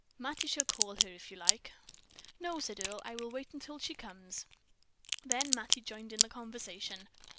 Mattie shall call her if you like." "No," said Earle. "I will wait until she comes." Then Mattie joined in the conversation.